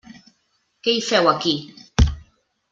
Què hi feu aquí?